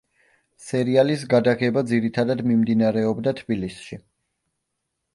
სერიალის გადაღება ძირითადად მიმდინარეობდა თბილისში.